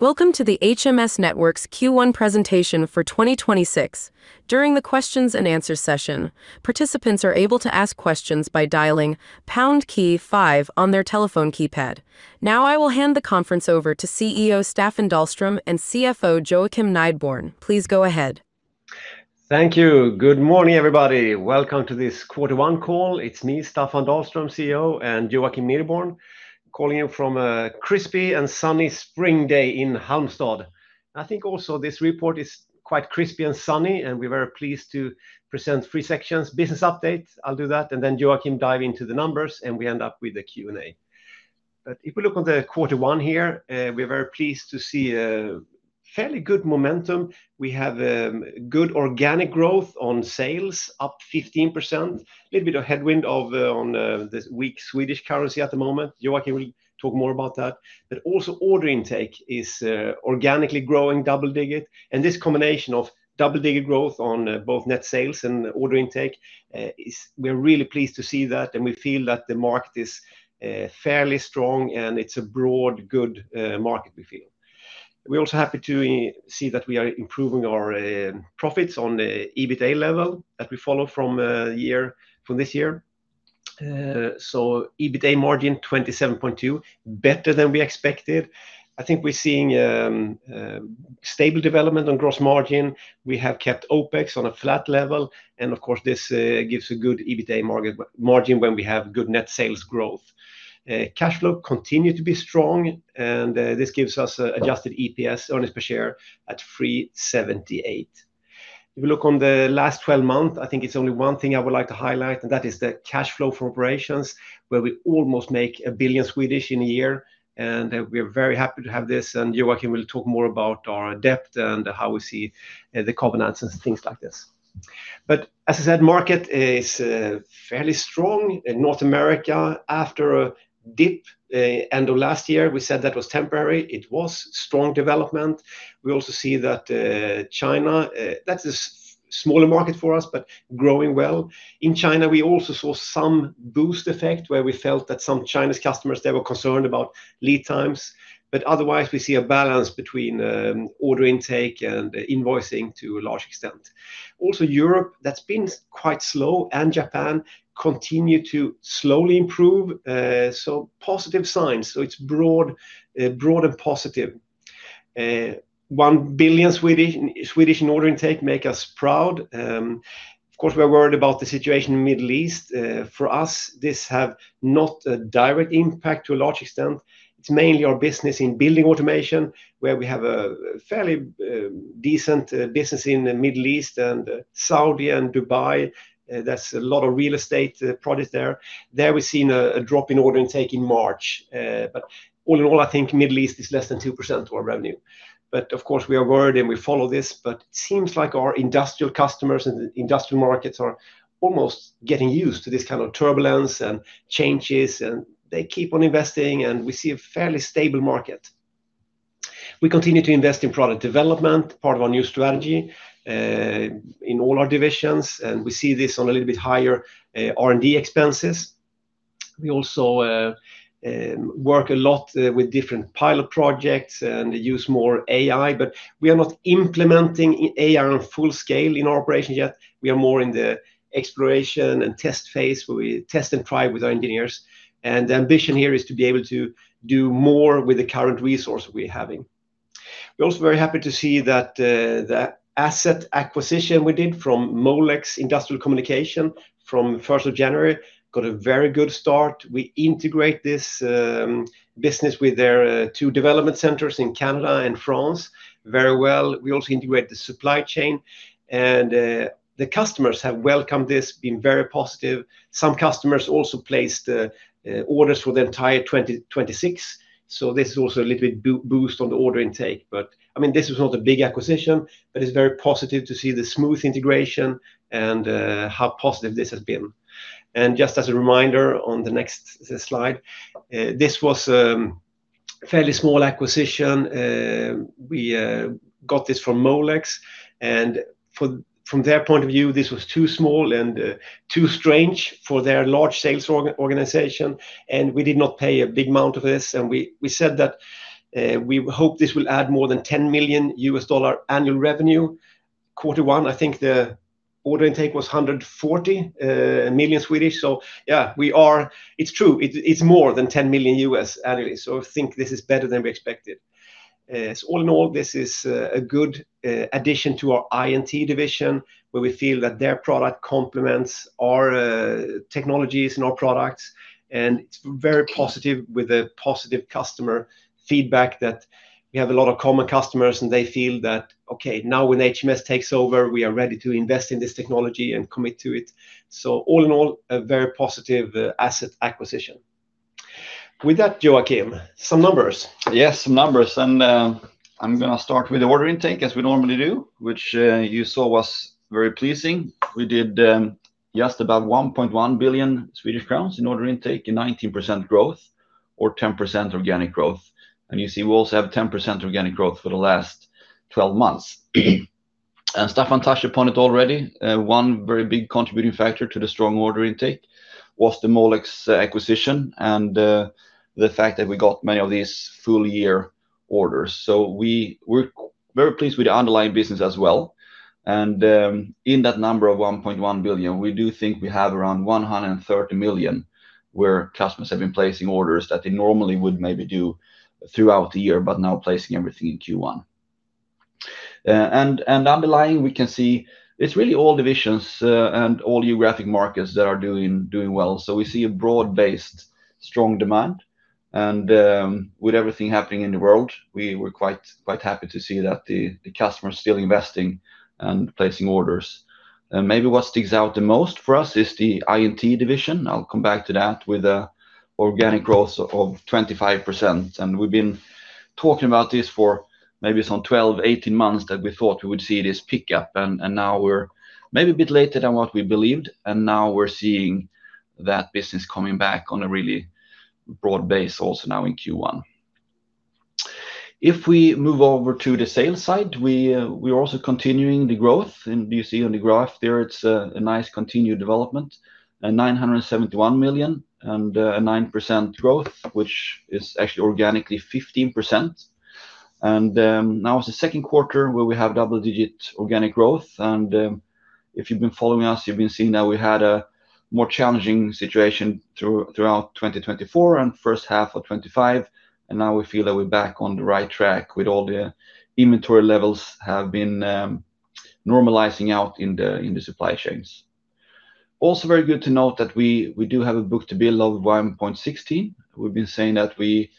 Welcome to the HMS Networks' Q1 2026 presentation. During the questions and answers session, participants are able to ask questions by dialing pound key five on their telephone keypad. Now I will hand the conference over to CEO Staffan Dahlström and CFO Joakim Nideborn. Please go ahead. Thank you. Good morning, everybody. Welcome to this quarter one call. It's me, Staffan Dahlström, CEO, and Joakim Nideborn, calling in from a crispy and sunny spring day in Halmstad. I think also this report is quite crispy and sunny, and we're very pleased to present three sections, business update, I'll do that, and then Joakim dive into the numbers, and we end up with a Q&A. If we look on the quarter one here, we are very pleased to see a fairly good momentum. We have good organic growth on sales, up 15%. Little bit of headwind on the weak Swedish currency at the moment. Joakim will talk more about that. Also order intake is organically growing double-digit, and this combination of double-digit growth on both net sales and order intake, we're really pleased to see that, and we feel that the market is fairly strong and it's a broad, good market we feel. We're also happy to see that we are improving our profits on the EBITDA level that we follow from this year. EBITDA margin 27.2%, better than we expected. I think we're seeing stable development on gross margin. We have kept OPEX on a flat level, and of course, this gives a good EBITDA margin when we have good net sales growth. Cash flow continued to be strong, and this gives us adjusted EPS, earnings per share, at 3.78. If you look on the last 12 months, I think it's only one thing I would like to highlight, and that is the cash flow for operations, where we almost make 1 billion in a year. We are very happy to have this, and Joakim will talk more about our debt and how we see the covenants and things like this. As I said, market is fairly strong in North America after a dip end of last year. We said that was temporary. It was strong development. We also see that China, that's a smaller market for us, but growing well. In China, we also saw some boost effect where we felt that some Chinese customers, they were concerned about lead times. Otherwise, we see a balance between order intake and invoicing to a large extent. Europe, that's been quite slow, and Japan continue to slowly improve. Positive signs. It's broad and positive. 1 billion SEK in order intake make us proud. Of course, we're worried about the situation in Middle East. For us, this have not a direct impact to a large extent. It's mainly our business in building automation, where we have a fairly decent business in the Middle East and Saudi and Dubai. That's a lot of real estate projects there. There we've seen a drop in order intake in March. But all in all, I think Middle East is less than 2% of our revenue. But of course, we are worried, and we follow this, but it seems like our industrial customers and the industrial markets are almost getting used to this kind of turbulence and changes, and they keep on investing, and we see a fairly stable market. We continue to invest in product development, part of our new strategy, in all our divisions, and we see this on a little bit higher R&D expenses. We also work a lot with different pilot projects and use more AI, but we are not implementing AI on a full scale in our operation yet. We are more in the exploration and test phase, where we test and try with our engineers. The ambition here is to be able to do more with the current resource we're having. We're also very happy to see that the asset acquisition we did from Molex Industrial Communications from January 1 got a very good start. We integrate this business with their two development centers in Canada and France very well. We also integrate the supply chain, and the customers have welcomed this, been very positive. Some customers also placed orders for the entire 2026, so this is also a little bit boost on the order intake. This was not a big acquisition, but it's very positive to see the smooth integration and how positive this has been. Just as a reminder on the next slide, this was fairly small acquisition. We got this from Molex, and from their point of view, this was too small and too strange for their large sales organization, and we did not pay a big amount of this. We said that we hope this will add more than $10 million annual revenue. Quarter one, I think the order intake was 140 million. Yeah, it's true. It's more than $10 million annually. I think this is better than we expected. All in all, this is a good addition to our INT division, where we feel that their product complements our technologies and our products. It's very positive with a positive customer feedback that we have a lot of common customers, and they feel that, okay, now when HMS takes over, we are ready to invest in this technology and commit to it. All in all, a very positive asset acquisition. With that, Joakim, some numbers. Yes, some numbers. I'm going to start with the order intake as we normally do, which you saw was very pleasing. We did just about 1.1 billion Swedish crowns in order intake and 19% growth or 10% organic growth. You see, we also have 10% organic growth for the last 12 months. Staffan touched upon it already. One very big contributing factor to the strong order intake was the Molex acquisition and the fact that we got many of these full-year orders. We're very pleased with the underlying business as well. In that number of 1.1 billion, we do think we have around 130 million where customers have been placing orders that they normally would maybe do throughout the year, but now placing everything in Q1. Underlying, we can see it's really all divisions and all geographic markets that are doing well. We see a broad-based strong demand. With everything happening in the world, we were quite happy to see that the customers are still investing and placing orders. Maybe what sticks out the most for us is the INT division, I'll come back to that, with organic growth of 25%. We've been talking about this for maybe some 12, 18 months that we thought we would see this pickup. Now we're maybe a bit later than what we believed, and now we're seeing that business coming back on a really broad base also now in Q1. If we move over to the sales side, we're also continuing the growth. You see on the graph there, it's a nice continued development. 971 million and 9% growth, which is actually organically 15%. Now it's the second quarter where we have double-digit organic growth. If you've been following us, you've been seeing that we had a more challenging situation throughout 2024 and first half of 2025, and now we feel that we're back on the right track with all the inventory levels have been normalizing out in the supply chains. Very good to note that we do have a book-to-bill of 1.16. We've been saying that we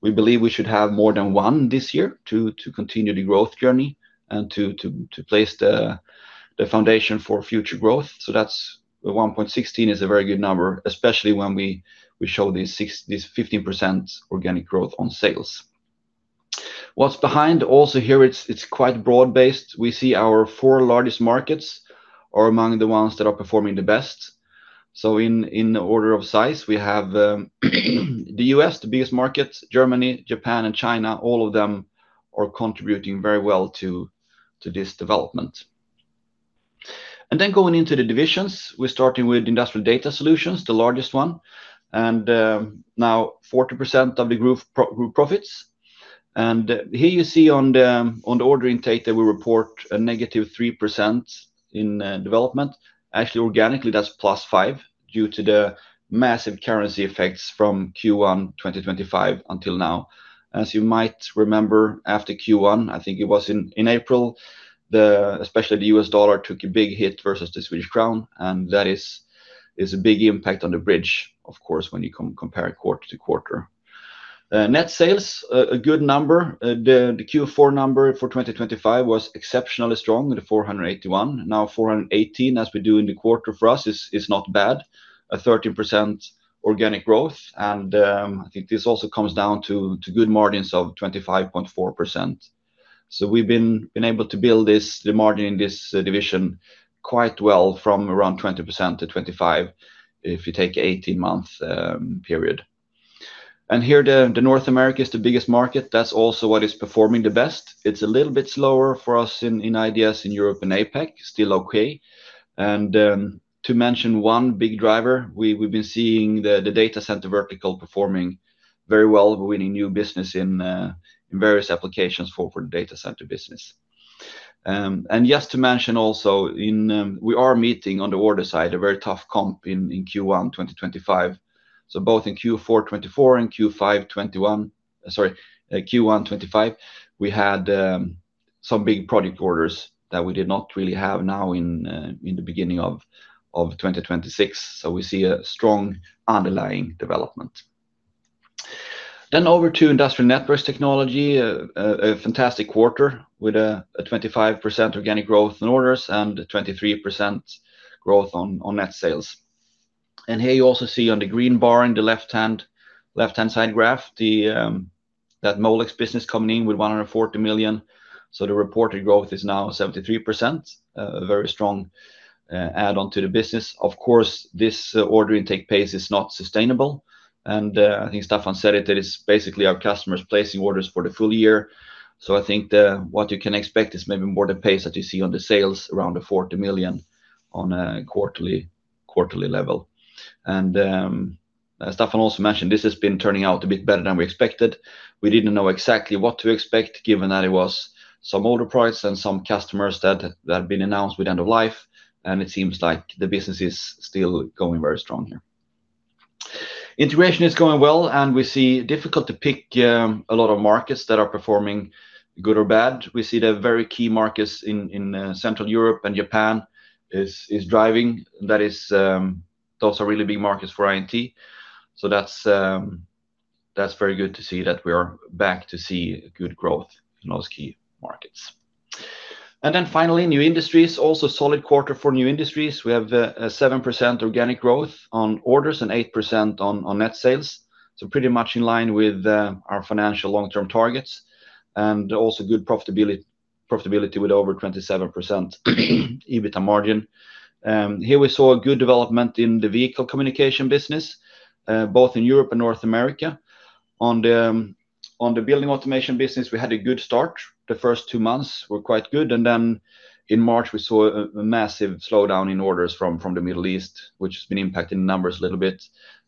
believe we should have more than one this year to continue the growth journey and to place the foundation for future growth. That's the 1.16 is a very good number, especially when we show this 15% organic growth on sales. What's behind also here, it's quite broad-based. We see our four largest markets are among the ones that are performing the best. In order of size, we have the U.S., the biggest market, Germany, Japan, and China. All of them are contributing very well to this development. Going into the divisions. We're starting with Industrial Data Solutions, the largest one, and now 40% of the group profits. Here you see on the order intake that we report a negative 3% in development. Actually, organically, that's +5% due to the massive currency effects from Q1 2025 until now. As you might remember, after Q1, I think it was in April, especially the U.S., dollar took a big hit versus the Swedish krona, and that is a big impact on the bridge, of course, when you compare quarter-over-quarter. Net sales, a good number. The Q4 number for 2025 was exceptionally strong at 481. Now, 418, as we do in the quarter, for us is not bad. 13% organic growth. I think this also comes down to good margins of 25.4%. We've been able to build the margin in this division quite well from around 20%-25%, if you take 18-month period. Here, North America is the biggest market. That's also what is performing the best. It's a little bit slower for us in IDS in Europe and APAC, still okay. To mention one big driver, we've been seeing the data center vertical performing very well. We're winning new business in various applications for data center business. Yes, to mention also, we are meeting on the order side, a very tough comp in Q1 2025. Both in Q4 2024 and Q1 2025, we had some big project orders that we did not really have now in the beginning of 2026. We see a strong underlying development. Over to Industrial Network Technology, a fantastic quarter with 25% organic growth in orders and 23% growth on net sales. Here you also see on the green bar in the left-hand side graph, that Molex business coming in with 140 million. The reported growth is now 73%, a very strong add-on to the business. Of course, this order intake pace is not sustainable. I think Staffan said it, that it's basically our customers placing orders for the full year. I think what you can expect is maybe more the pace that you see on the sales around 40 million on a quarterly level. Staffan also mentioned this has been turning out a bit better than we expected. We didn't know exactly what to expect given that it was some older products and some customers that had been announced with end of life, and it seems like the business is still going very strong here. Integration is going well, and we see it difficult to pick a lot of markets that are performing good or bad. We see the very key markets in Central Europe and Japan is driving. Those are really big markets for INT. That's very good to see that we are back to see good growth in those key markets. Finally, New Industries. Also solid quarter for New Industries. We have a 7% organic growth on orders and 8% on net sales. Pretty much in line with our financial long-term targets. Good profitability with over 27% EBITA margin. Here we saw a good development in the vehicle communication business, both in Europe and North America. On the building automation business, we had a good start. The first two months were quite good, and then in March we saw a massive slowdown in orders from the Middle East, which has been impacting the numbers a little bit.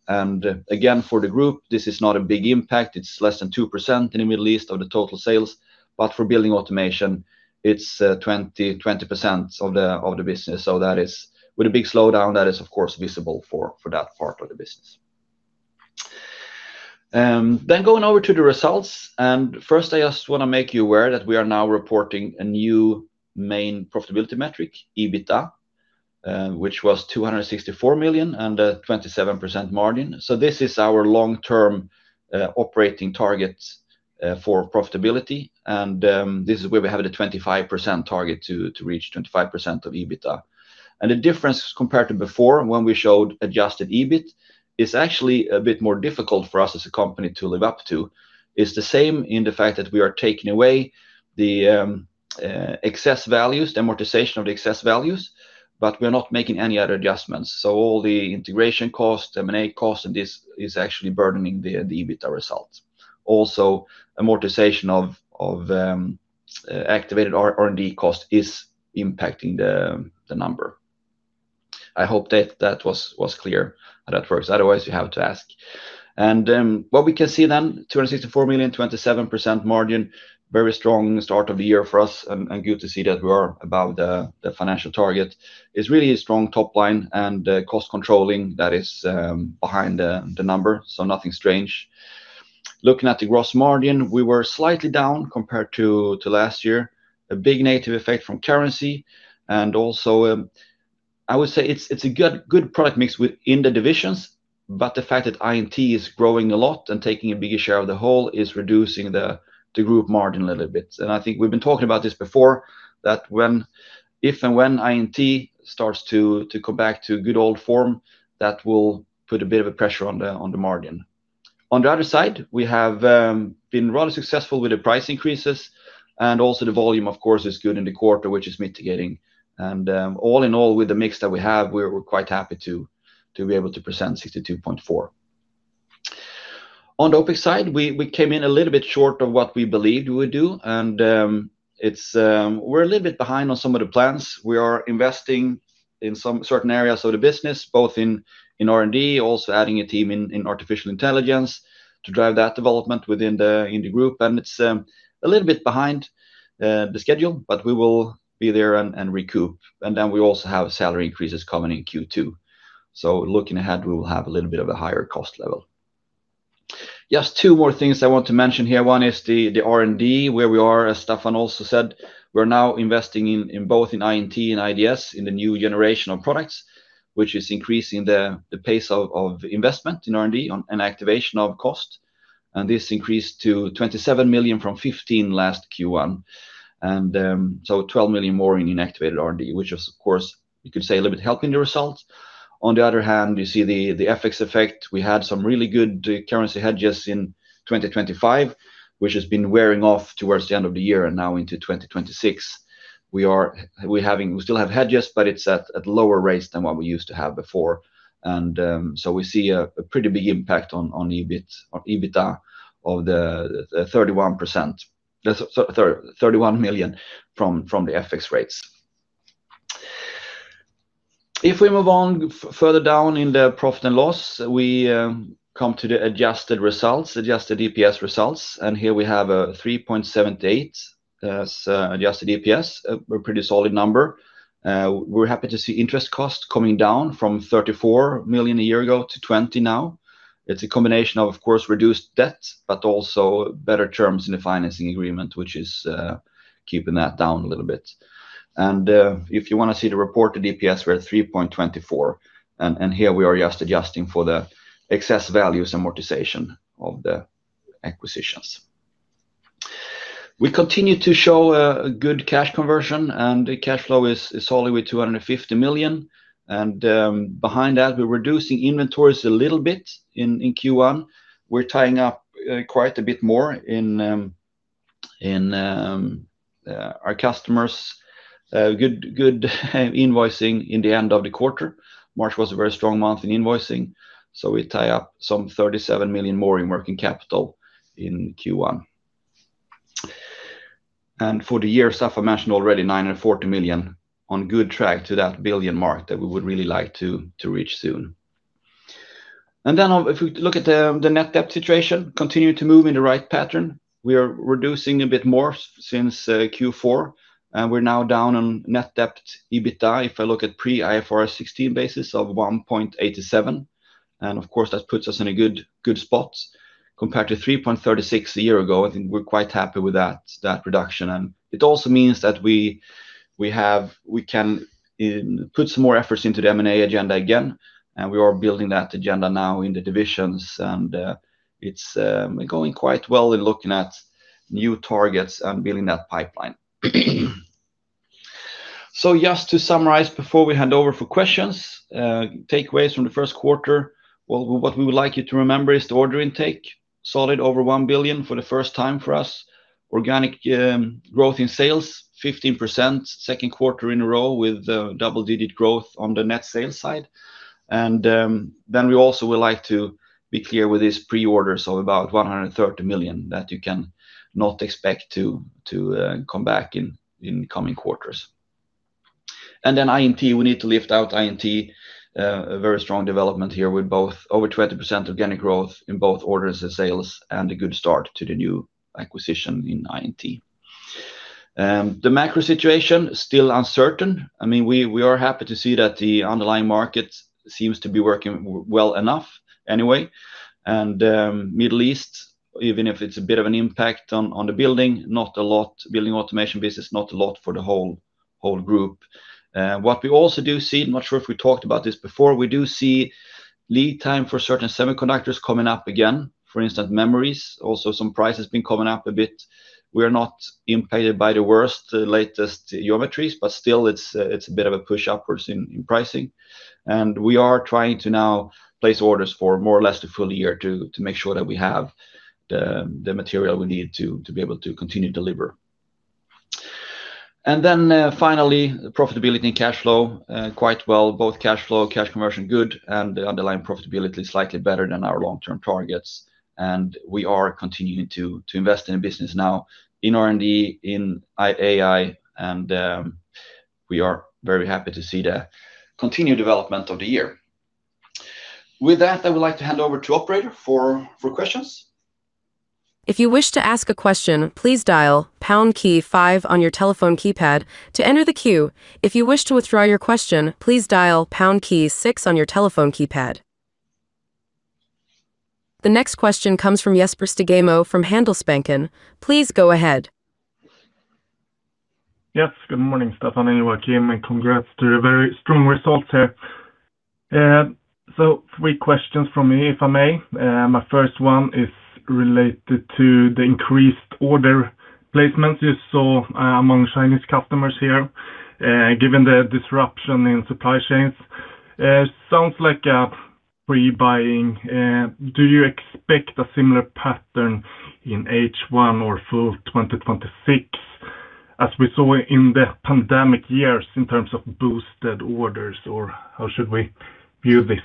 Again, for the group, this is not a big impact. It's less than 2% in the Middle East of the total sales, but for building automation, it's 20% of the business. With a big slowdown that is, of course, visible for that part of the business. Going over to the results. First, I just want to make you aware that we are now reporting a new main profitability metric, EBITDA, which was 264 million and a 27% margin. This is our long-term operating target for profitability. This is where we have the 25% target to reach 25% of EBITDA. The difference compared to before when we showed adjusted EBIT is actually a bit more difficult for us as a company to live up to. It's the same in the fact that we are taking away the excess values, the amortization of the excess values, but we are not making any other adjustments. So all the integration costs, M&A costs, and this is actually burdening the EBITDA results. Also, amortization of activated R&D cost is impacting the number. I hope that was clear how that works. Otherwise, you have to ask. What we can see then, 264 million, 27% margin, very strong start of the year for us and good to see that we are above the financial target. It's really a strong top line and cost controlling that is behind the numbers, so nothing strange. Looking at the gross margin, we were slightly down compared to last year. A big negative effect from currency and also, I would say it's a good product mix within the divisions, but the fact that INT is growing a lot and taking a bigger share of the whole is reducing the group margin a little bit. I think we've been talking about this before, that if and when INT starts to come back to good old form, that will put a bit of a pressure on the margin. On the other side, we have been rather successful with the price increases, and also the volume of course is good in the quarter, which is mitigating. All in all, with the mix that we have, we're quite happy to be able to present 62.4%. On the OPEX side, we came in a little bit short of what we believed we would do, and we're a little bit behind on some of the plans. We are investing in some certain areas of the business, both in R&D, also adding a team in artificial intelligence to drive that development within the group. It's a little bit behind the schedule, but we will be there and recoup. We also have salary increases coming in Q2. Looking ahead, we will have a little bit of a higher cost level. Just two more things I want to mention here. One is the R&D, where we are, as Staffan also said, we're now investing in both INT and IDS in the new generation of products, which is increasing the pace of investment in R&D on an acceleration of costs. This increased to 27 million from 15 last Q1. 12 million more in activated R&D, which is of course, you could say a little bit helping the results. On the other hand, you see the FX effect. We had some really good currency hedges in 2025, which has been wearing off towards the end of the year and now into 2026. We still have hedges, but it's at lower rates than what we used to have before. We see a pretty big impact on EBIT or EBITDA of the 31%. That's 31 million from the FX rates. If we move on further down in the profit and loss, we come to the adjusted results, adjusted EPS results, and here we have a 3.78 as adjusted EPS. A pretty solid number. We're happy to see interest costs coming down from 34 million a year ago to 20 million now. It's a combination of course, reduced debt, but also better terms in the financing agreement, which is keeping that down a little bit. If you want to see the reported EPS, we're at 3.24, and here we are just adjusting for the excess value amortization of the acquisitions. We continue to show a good cash conversion, and the cash flow is solid with 250 million. Behind that, we're reducing inventories a little bit in Q1. We're tying up quite a bit more in our customers' good invoicing in the end of the quarter. March was a very strong month in invoicing, so we tie up some 37 million more in working capital in Q1. For the year, Staffan mentioned already 940 million on good track to that 1 billion mark that we would really like to reach soon. If we look at the net debt situation, it continues to move in the right pattern. We are reducing a bit more since Q4, and we're now down on net debt to EBITDA. If I look at pre-IFRS 16 basis of 1.87, and of course, that puts us in a good spot compared to 3.36 a year ago. I think we're quite happy with that reduction. It also means that we can put some more efforts into the M&A agenda again, and we are building that agenda now in the divisions. We're going quite well in looking at new targets and building that pipeline. Just to summarize before we hand over for questions, takeaways from the first quarter. Well, what we would like you to remember is the order intake. Solid over 1 billion for the first time for us. Organic growth in sales, 15% second quarter in a row with double-digit growth on the net sales side. Then we also would like to be clear with these pre-orders of about 130 million that you can not expect to come back in coming quarters. Then INT, we need to lift out INT, a very strong development here with both over 20% organic growth in both orders and sales, and a good start to the new acquisition in INT. The macro situation is still uncertain. We are happy to see that the underlying market seems to be working well enough anyway. Middle East, even if it's a bit of an impact on the building automation business, not a lot for the whole group. What we also do see, I'm not sure if we talked about this before, we do see lead time for certain semiconductors coming up again, for instance, memories. Also, some prices been coming up a bit. We are not impacted by the worst, latest geometries, but still, it's a bit of a push upwards in pricing. We are trying to now place orders for more or less the full year to make sure that we have the material we need to be able to continue to deliver. Then finally, profitability and cash flow quite well. Both cash flow, cash conversion good, and the underlying profitability is slightly better than our long-term targets. We are continuing to invest in business now in R&D, in AI, and we are very happy to see the continued development of the year. With that, I would like to hand over to operator for questions. If you wish to ask a question, please dial #5 on your telephone keypad to enter the queue. If you wish to withdraw your question, please dial #6 on your telephone keypad. The next question comes from Jesper Stugemo from Handelsbanken. Please go ahead. Yes, good morning, Staffan and Joakim, and congrats to the very strong results here. Three questions from me, if I may. My first one is related to the increased order placements you saw among Chinese customers here, given the disruption in supply chains. It sounds like pre-buying. Do you expect a similar pattern in H1 or full 2026 as we saw in the pandemic years in terms of boosted orders, or how should we view this?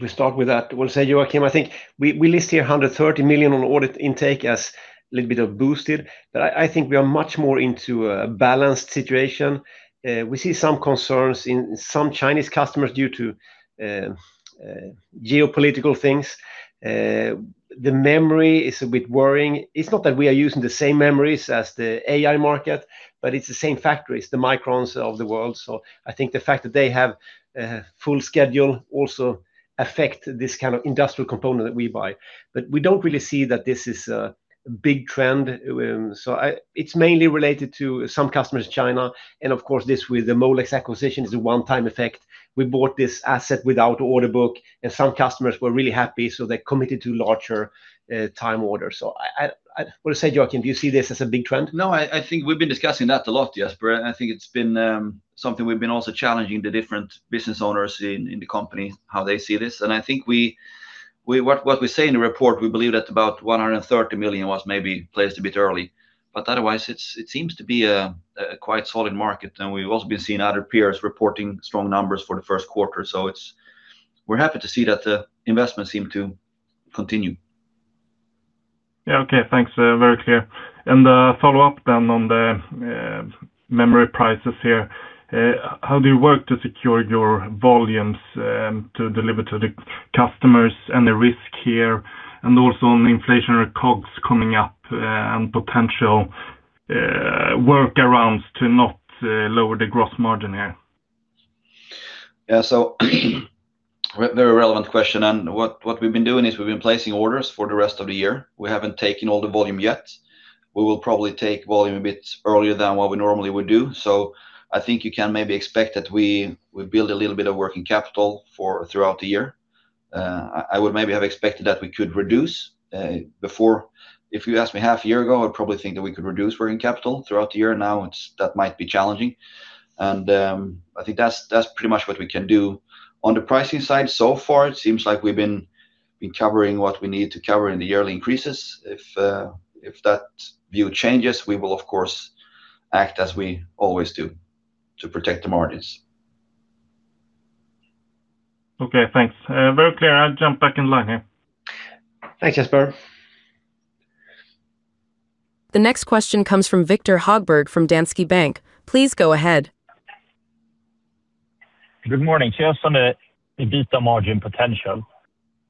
We start with that. We'll say, Joakim, I think we list here 130 million on order intake as a little bit boosted, but I think we are much more into a balanced situation. We see some concerns in some Chinese customers due to geopolitical things. The memory is a bit worrying. It's not that we are using the same memories as the AI market, but it's the same factories, the Micron of the world. I think the fact that they have a full schedule also affects this kind of industrial component that we buy. We don't really see that this is a big trend. It's mainly related to some customers in China, and of course, this with the Molex acquisition is a one-time effect. We bought this asset without order book, and some customers were really happy, so they committed to larger time order. What do you say, Joakim, do you see this as a big trend? No, I think we've been discussing that a lot, Jesper. I think it's been something we've been also challenging the different business owners in the company, how they see this. I think what we say in the report, we believe that about 130 million was maybe placed a bit early. Otherwise, it seems to be a quite solid market, and we've also been seeing other peers reporting strong numbers for the first quarter. We're happy to see that the investments seem to continue. Yeah, okay, thanks. Very clear. A follow-up then on the memory prices here. How do you work to secure your volumes to deliver to the customers and the risk here? Also on inflationary COGS coming up and potential workarounds to not lower the gross margin here. Yeah, very relevant question. What we've been doing is we've been placing orders for the rest of the year. We haven't taken all the volume yet. We will probably take volume a bit earlier than what we normally would do. I think you can maybe expect that we build a little bit of working capital for throughout the year. I would maybe have expected that we could reduce. Before, if you asked me half a year ago, I'd probably think that we could reduce working capital throughout the year. Now, that might be challenging. I think that's pretty much what we can do. On the pricing side, so far, it seems like we've been covering what we need to cover in the yearly increases. If that view changes, we will, of course, act as we always do to protect the margins. Okay, thanks. Very clear. I'll jump back in line here. Thanks, Jesper. The next question comes from Victor Hagberg from Danske Bank. Please go ahead. Good morning. Just on the EBITDA margin potential.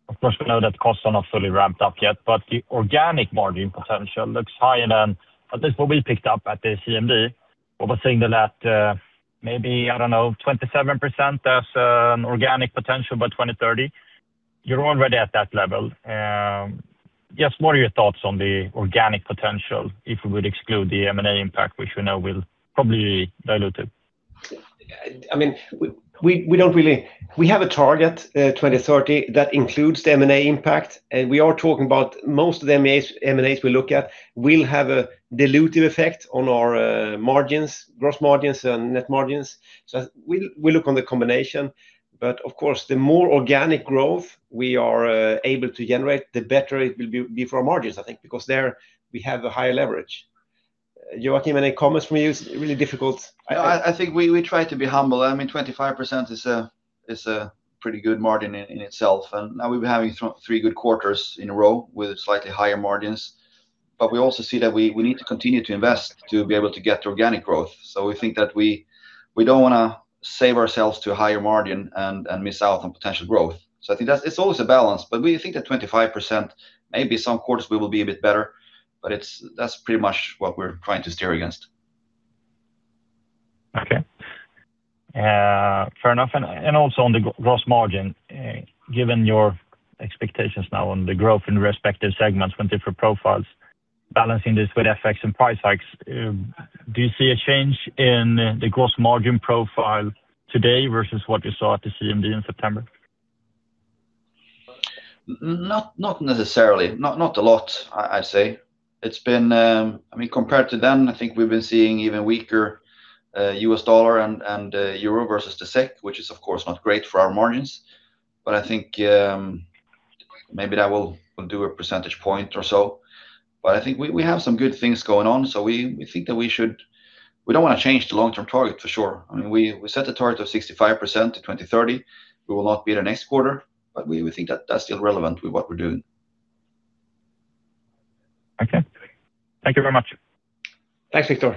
Of course, we know that costs are not fully ramped up yet, but the organic margin potential looks higher than at least what we picked up at the CMD. I was thinking that maybe, I don't know, 27% as an organic potential by 2030. You're already at that level. Just what are your thoughts on the organic potential if we would exclude the M&A impact, which we know will probably dilute it? We have a target, 2030, that includes the M&A impact. We are talking about most of the M&As we look at will have a dilutive effect on our margins, gross margins, and net margins. We look on the combination. Of course, the more organic growth we are able to generate, the better it will be for our margins, I think, because there we have a higher leverage. Joakim, any comments from you? It's really difficult. I think we try to be humble. I mean, 25% is It's a pretty good margin in itself. Now we've been having three good quarters in a row with slightly higher margins. We also see that we need to continue to invest to be able to get organic growth. We think that we don't want to save ourselves to a higher margin and miss out on potential growth. I think it's always a balance, but we think that 25%, maybe some quarters we will be a bit better, but that's pretty much what we're trying to steer against. Okay. Fair enough. Also on the gross margin, given your expectations now on the growth in respective segments with different profiles, balancing this with effects and price hikes, do you see a change in the gross margin profile today versus what you saw at the CMD in September? Not necessarily. Not a lot, I'd say. Compared to then, I think we've been seeing even weaker U.S., dollar and euro versus the SEK, which is, of course, not great for our margins. I think maybe that will do a percentage point or so. I think we have some good things going on. We think that we don't want to change the long-term target for sure. We set a target of 65% to 2030. We will not be the next quarter, but we think that's still relevant with what we're doing. Okay. Thank you very much. Thanks, Victor.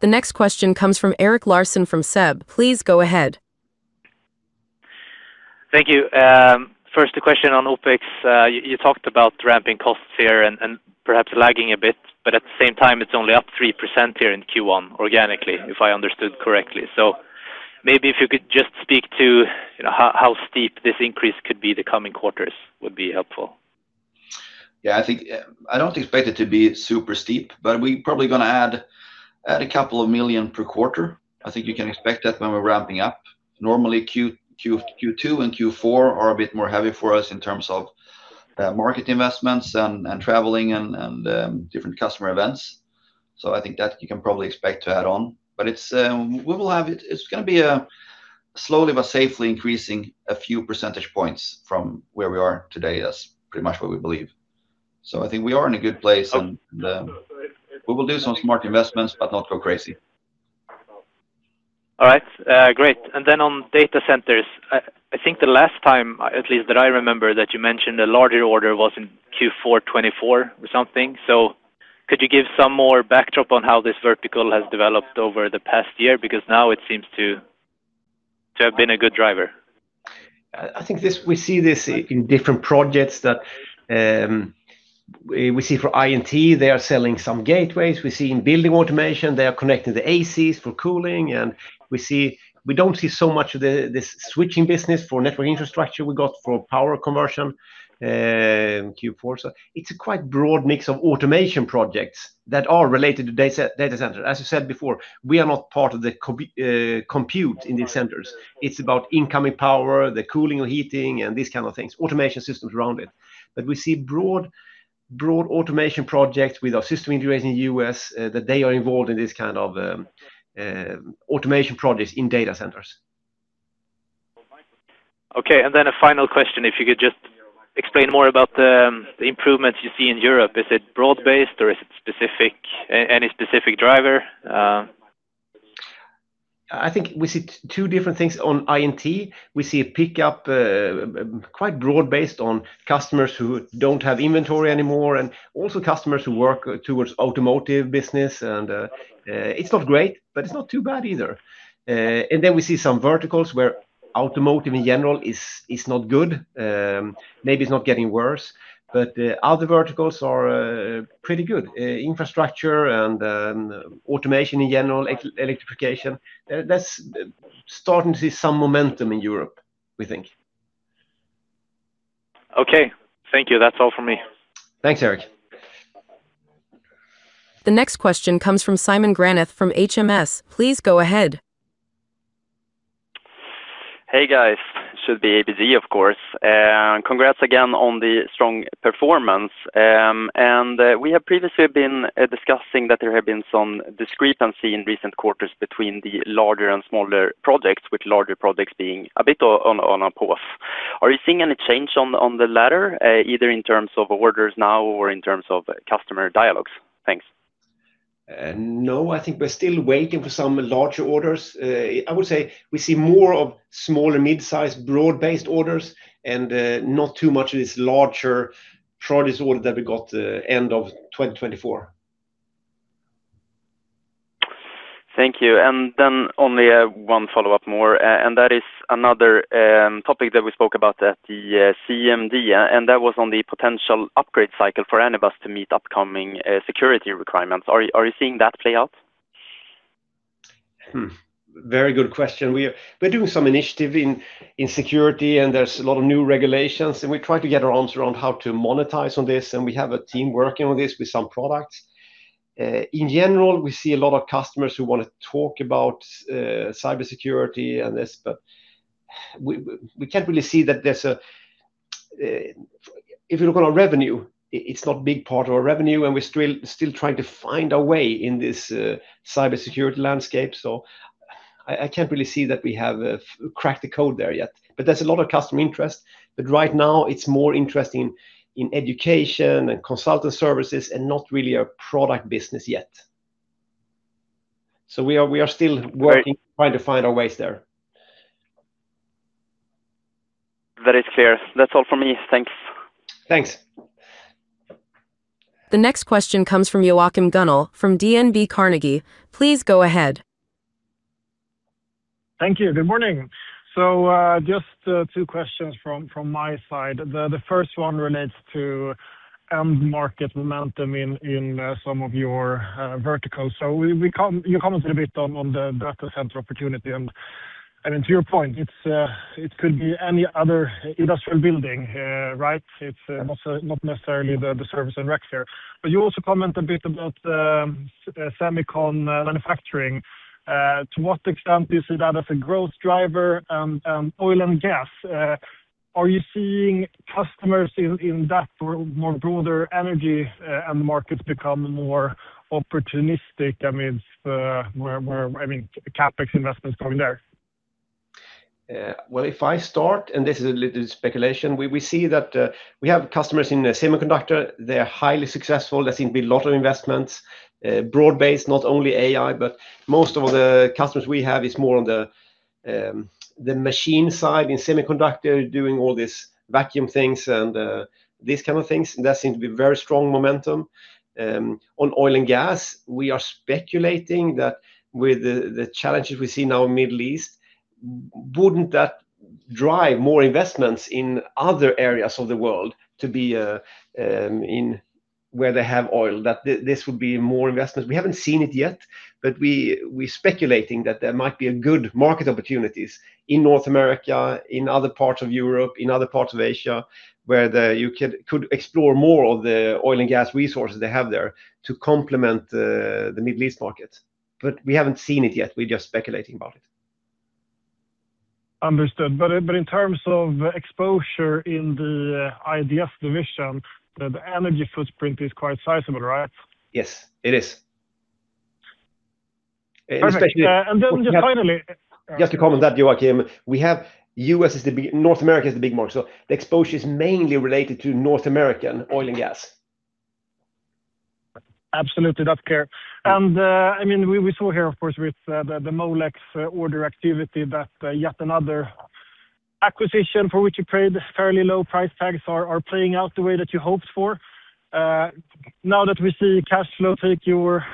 The next question comes from Erik Larsson from SEB. Please go ahead. Thank you. First, a question on OpEx. You talked about ramping costs here and perhaps lagging a bit, but at the same time, it's only up 3% here in Q1 organically, if I understood correctly. So maybe if you could just speak to how steep this increase could be the coming quarters would be helpful. Yeah, I don't expect it to be super steep, but we're probably going to add SEK a couple of million per quarter. I think you can expect that when we're ramping up. Normally, Q2 and Q4 are a bit more heavy for us in terms of market investments and traveling and different customer events. I think that you can probably expect to add on. It's going to be slowly but safely increasing a few percentage points from where we are today. That's pretty much what we believe. I think we are in a good place, and we will do some smart investments but not go crazy. All right, great. On data centers, I think the last time, at least that I remember, that you mentioned a larger order was in Q4 2024 or something. Could you give some more backdrop on how this vertical has developed over the past year? Because now it seems to have been a good driver. I think we see this in different projects that we see for INT, they are selling some gateways. We see in building automation, they are connecting the ACs for cooling. We don't see so much of this switching business for network infrastructure we got for power conversion in Q4. It's a quite broad mix of automation projects that are related to data center. As you said before, we are not part of the compute in these centers. It's about incoming power, the cooling or heating, and these kind of things, automation systems around it. We see broad automation projects with our system integration in U.S., that they are involved in this kind of automation projects in data centers. Okay, a final question, if you could just explain more about the improvements you see in Europe. Is it broad-based or is it any specific driver? I think we see two different things on INT. We see a pickup, quite broad-based on customers who don't have inventory anymore, and also customers who work towards automotive business. It's not great, but it's not too bad either. Then we see some verticals where automotive, in general, is not good. Maybe it's not getting worse, but other verticals are pretty good. Infrastructure and automation in general, electrification. That's starting to see some momentum in Europe, we think. Okay, thank you. That's all from me. Thanks, Erik. The next question comes from Simon Granath from HMS. Please go ahead. Hey, guys. Should be ABG, of course. Congrats again on the strong performance. We have previously been discussing that there have been some discrepancy in recent quarters between the larger and smaller projects, with larger projects being a bit on a pause. Are you seeing any change on the latter, either in terms of orders now or in terms of customer dialogs? Thanks. No, I think we're still waiting for some larger orders. I would say we see more of small and mid-size broad-based orders and not too much of this larger projects order that we got end of 2024. Thank you. Only one follow-up more, and that is another topic that we spoke about at the CMD, and that was on the potential upgrade cycle for Anybus to meet upcoming security requirements. Are you seeing that play out? Very good question. We're doing some initiative in security, and there's a lot of new regulations, and we try to get our arms around how to monetize on this. We have a team working on this with some products. In general, we see a lot of customers who want to talk about cybersecurity and this, but we can't really see that there's a. If you look at our revenue, it's not a big part of our revenue, and we're still trying to find a way in this cybersecurity landscape. I can't really see that we have cracked the code there yet. There's a lot of customer interest. Right now it's more interesting in education and consultant services and not really a product business yet. We are still working, trying to find our ways there. Very clear. That's all from me. Thanks. Thanks. The next question comes from Joachim Gunell from DNB Carnegie. Please go ahead. Thank you. Good morning. Just two questions from my side. The first one relates to end market momentum in some of your verticals. You commented a bit on the data center opportunity, and to your point, it could be any other industrial building. Right? It's not necessarily the service and rec center. But you also comment a bit about semicon manufacturing. To what extent do you see that as a growth driver? And oil and gas, are you seeing customers in that more broader energy, and the market become more opportunistic? Where CapEx investment is going there. Well, if I start, and this is a little speculation, we see that we have customers in semiconductor. They are highly successful. There seem to be a lot of investments, broad-based, not only AI, but most of the customers we have is more on the machine side in semiconductor, doing all these vacuum things and these kind of things, and that seem to be very strong momentum. On oil and gas, we are speculating that with the challenges we see now in Middle East, wouldn't that drive more investments in other areas of the world to be in where they have oil, that this would be more investment. We haven't seen it yet, but we are speculating that there might be good market opportunities in North America, in other parts of Europe, in other parts of Asia, where you could explore more of the oil and gas resources they have there to complement the Middle East market. We haven't seen it yet. We're just speculating about it. Understood. In terms of exposure in the IDS division, the energy footprint is quite sizable, right? Yes, it is. Perfect. Just finally. Just to comment that, Joachim, North America is the big market, so the exposure is mainly related to North American oil and gas. Absolutely. That's clear. We saw here, of course, with the Molex order activity, that yet another acquisition for which you paid fairly low price tags are playing out the way that you hoped for. Now that we see cash flow take your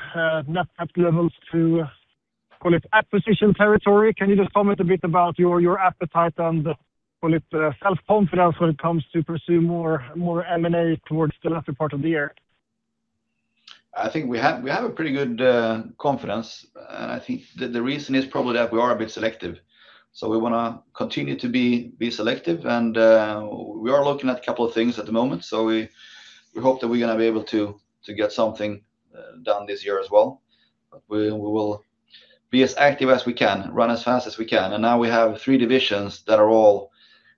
net debt levels to, call it, acquisition territory, can you just comment a bit about your appetite and, call it, self-confidence when it comes to pursue more M&A towards the latter part of the year? I think we have a pretty good confidence, and I think the reason is probably that we are a bit selective, so we want to continue to be selective. We are looking at a couple of things at the moment, so we hope that we're going to be able to get something done this year as well. We will be as active as we can, run as fast as we can. Now we have three divisions that are all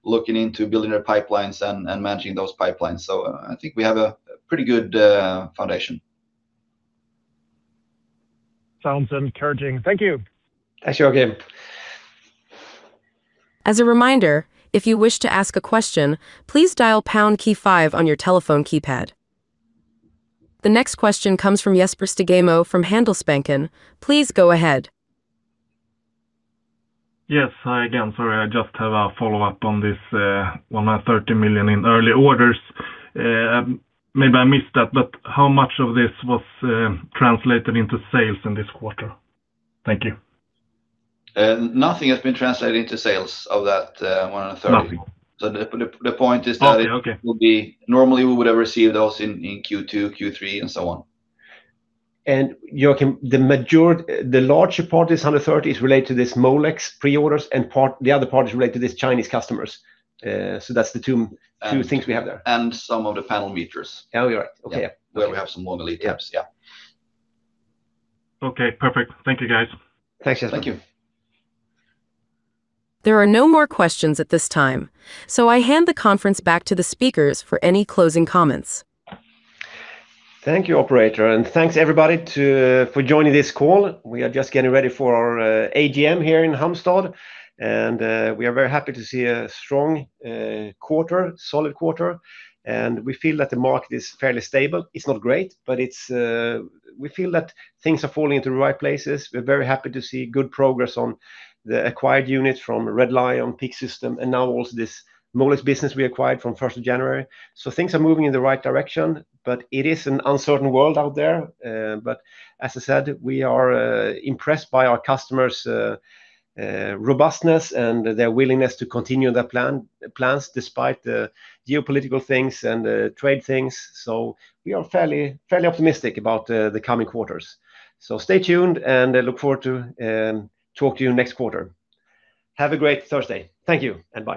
looking into building their pipelines and managing those pipelines. I think we have a pretty good foundation. Sounds encouraging. Thank you. Thanks, Joachim. As a reminder, if you wish to ask a question, please dial pound key five on your telephone keypad. The next question comes from Jesper Stugemo from Handelsbanken. Please go ahead. Yes. Hi again. Sorry, I just have a follow-up on this $130 million in early orders. Maybe I missed that, but how much of this was translated into sales in this quarter? Thank you. Nothing has been translated into sales of that 130. Nothing. The point is that. Okay... normally we would have received those in Q2, Q3, and so on. Joakim, the larger part, this 130, is related to this Molex pre-orders, and the other part is related to these Chinese customers. That's the two things we have there. Some of the panel meters. Oh, you're right. Okay, yeah. Where we have some more lead times, yeah. Okay, perfect. Thank you, guys. Thanks, Jesper. Thank you. There are no more questions at this time, so I hand the conference back to the speakers for any closing comments. Thank you, operator, and thanks everybody for joining this call. We are just getting ready for our AGM here in Halmstad, and we are very happy to see a strong quarter, solid quarter, and we feel that the market is fairly stable. It's not great, but we feel that things are falling into the right places. We're very happy to see good progress on the acquired unit from Red Lion, PEAK-System, and now also this Molex business we acquired from 1st of January. Things are moving in the right direction, but it is an uncertain world out there. As I said, we are impressed by our customers' robustness and their willingness to continue their plans despite the geopolitical things and trade things. We are fairly optimistic about the coming quarters. Stay tuned, and I look forward to talk to you next quarter. Have a great Thursday. Thank you, and bye.